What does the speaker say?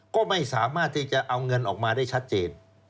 ก็ไม่สามารถที่จะเอาเงินออกมาได้ชัดเจน